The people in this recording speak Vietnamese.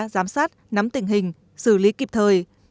giám sát nắm tình hình xử lý kịp thời